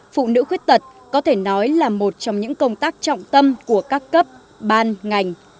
phụ nữ khuyết tật có thể nói là một trong những công tác trọng tâm của các cấp ban ngành